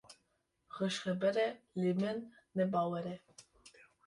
Xweş xeber e, lê min ne bawer e.